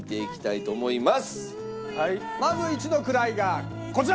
まず一の位がこちら！